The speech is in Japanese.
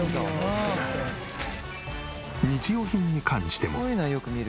日用品に関しても。